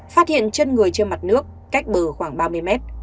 phát hiện chân người trên mặt nước cách bờ khoảng ba mươi mét